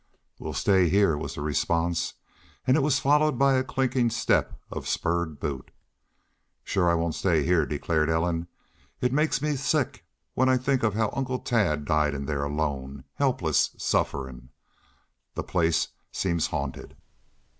"We'll stay heah," was the response, and it was followed by a clinking step of spurred boot. "Shore I won't stay heah," declared Ellen. "It makes me sick when I think of how Uncle Tad died in there alone helpless sufferin'. The place seems haunted."